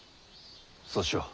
そうしよう。